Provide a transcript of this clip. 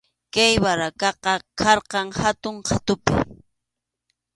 Kay barracaqa karqan hatun qhatupi.